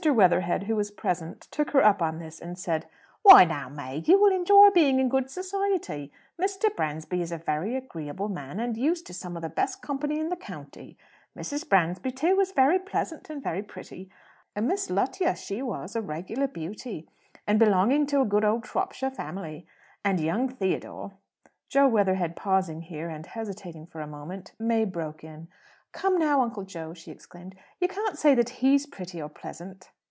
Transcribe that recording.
Weatherhead, who was present, took her up on this, and said, "Why, now, May, you will enjoy being in good society! Mr. Bransby is a very agreeable man, and used to some of the best company in the county. Mrs. Bransby, too, is very pleasant and very pretty; a Miss Lutyer she was, a regular beauty, and belonging to a good old Shropshire family. And young Theodore " Jo Weatherhead pausing here, and hesitating for a moment, May broke in, "Come now, Uncle Jo," she exclaimed, "you can't say that he's pretty or pleasant!"